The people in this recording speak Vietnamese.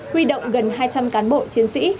huy động gần hai trăm linh cán bộ chiến sĩ